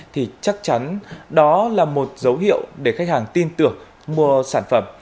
thì chắc chắn đó là một dấu hiệu để khách hàng tin tưởng mua sản phẩm